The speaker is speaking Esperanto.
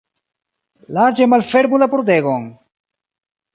Larĝe malfermu la pordegon!